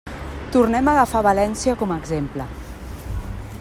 Tornem a agafar València com a exemple.